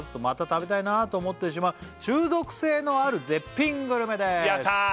「また食べたいなと思ってしまう中毒性のある絶品グルメです」